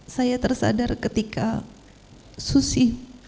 saya tersadar ketika susi